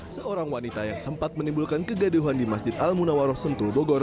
seorang wanita yang sempat menimbulkan kegaduhan di masjid al munawaroh sentul bogor